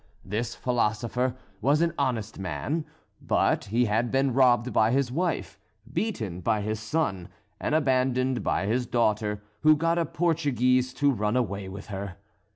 This philosopher was an honest man; but he had been robbed by his wife, beaten by his son, and abandoned by his daughter who got a Portuguese to run away with her.